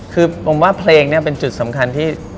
คือผมว่าเพลงนี้เป็นจุดสำคัญที่